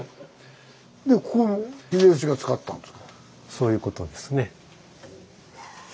そういうことですね。